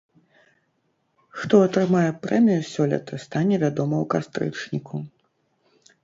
Хто атрымае прэмію сёлета, стане вядома ў кастрычніку.